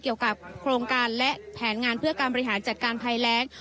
เกี่ยวกับโครงการและแผนงานเพื่อการบริหารจัดการภัยแรง